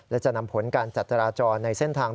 และจะนำผลการจัดจราจรในเส้นทาง